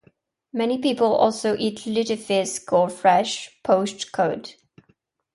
Many people also eat "lutefisk" or fresh, poached cod.